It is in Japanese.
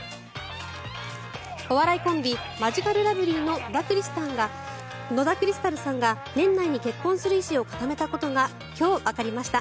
お笑いコンビマヂカルラブリーの野田クリスタルさんが年内に結婚する意思を固めたことが今日わかりました。